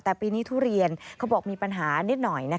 แต่ปีนี้ทุเรียนเขาบอกมีปัญหานิดหน่อย